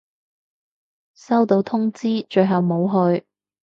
收到通知，最後冇去